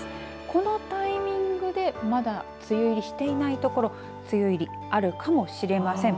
このタイミングでまだ梅雨入りしていない所梅雨入りあるかもしれません。